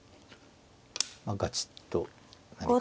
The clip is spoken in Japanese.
ガチッと何か。